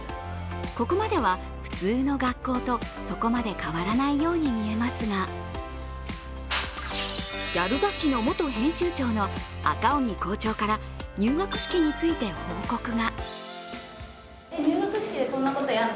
ここまでは普通の学校とそこまで変わらないように見えますがギャル雑誌の元編集長の赤荻校長から入学式について方向が。